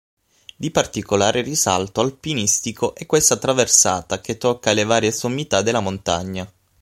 Di particolare risalto alpinistico è questa traversata che tocca le varie sommità della montagna.